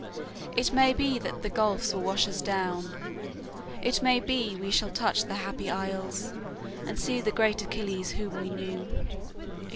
It may be that the gulfs will wash us down; It may be we shall touch the Happy Isles, And see the great Achilles whom we knew;" etc.